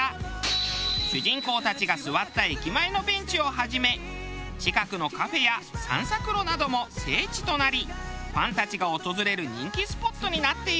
主人公たちが座った駅前のベンチをはじめ近くのカフェや散策路なども聖地となりファンたちが訪れる人気スポットになっているのです。